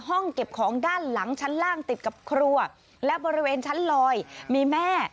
ห้องเก็บของด้านหลังชั้นล่างติดกับครัวและบริเวณชั้นลอยมีแม่